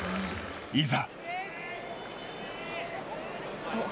いざ。